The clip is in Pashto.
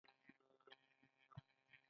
دا کار د پيشې پۀ طور خپل کړو